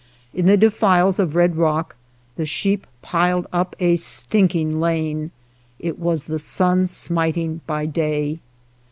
In the defiles of Red Rock, the sheep piled up a stinking lane ; it was the sun smiting by day.